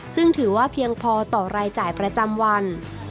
ซึ่งถือว่าเพียงพอต่อรายจ่ายประจำวัน